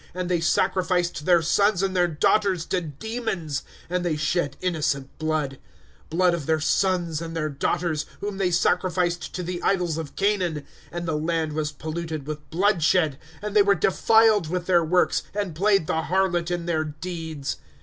" And they sacrificed their sons and their daughters to de mons. '^ And they shed innocent blood ; Blood of their sons and their daughters, Whom they sacrificed to the idols of Canaan ; And the land was polluted with bloodshed. ^^ And they were defiled with their works, And played the hai lot in their deeds.